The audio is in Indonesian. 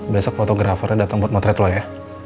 besok fotografernya datang buat motret loh ya